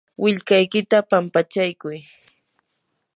willkaykita pampachaykuy.